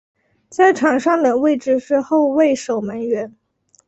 在场上的位置是后卫守门员。